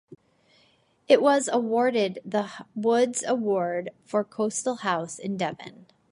It was awarded the Woods Award for Coastal House in Devon.